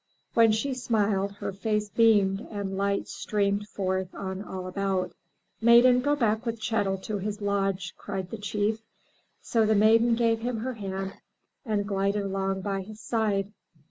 When she smiled her face beamed and light streamed forth on all about. ''Maiden go back with Chet'l to his lodge!" cried the Chief. So the Maiden gave him her hand and glided along by his side.